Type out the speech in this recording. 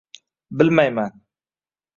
-Bilmayman.